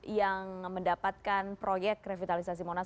yang mendapatkan proyek revitalisasi monas